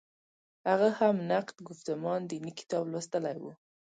هغه هم نقد ګفتمان دیني کتاب لوستلی و.